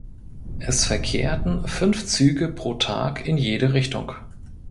Es verkehrten fünf Züge pro Tag in jede Richtung.